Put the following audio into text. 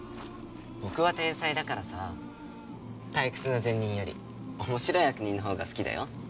僕は天才だからさ退屈な善人より面白い悪人のほうが好きだよ。